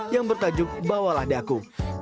yang bertajuk bawalah daku